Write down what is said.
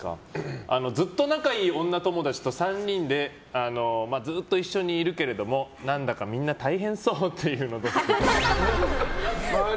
ずっと仲いい女友達と３人でずっと一緒にいるけれども何だかみんな大変そうっていう。